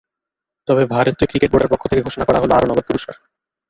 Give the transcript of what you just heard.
তবে ভারতীয় ক্রিকেট বোর্ডের পক্ষ থেকে ঘোষণা করা হলো আরও নগদ পুরস্কার।